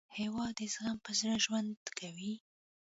هېواد د زغم په زړه ژوند کوي.